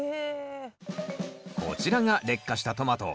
こちらが裂果したトマト。